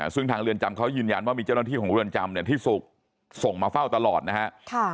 ซึ่งทางเรือนจำเขายืนยันว่ามีเจ้าหน้าที่ของเรือนจำที่สุขส่งมาเฝ้าตลอดนะฮะ